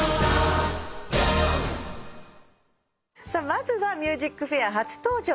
まずは『ＭＵＳＩＣＦＡＩＲ』初登場